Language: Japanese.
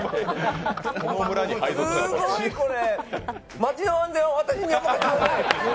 町の安全は私にお任せください。